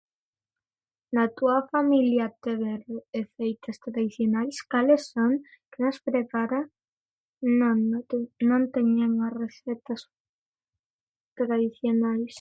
Na túa familia tedes receitas tradicionais? Cales son? Quen as prepara? Non, non teñen as recetas tradicionais.